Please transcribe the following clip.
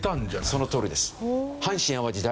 そのとおりです。